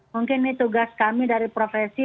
mungkin ini tugas kami dari profesi